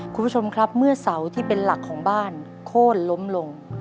คุณผู้ชมครับเมื่อเสาที่เป็นหลักของบ้านโค้นล้มลง